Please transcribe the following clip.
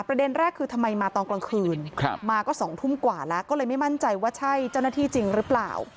ประเด็นแรกคือทำไมมาตอนกลางคืนมาก็๒ทุ่มกว่าแล้วก็เลยไม่มั่นใจว่าใช่เจ้าหน้าที่จริงหรือเปล่า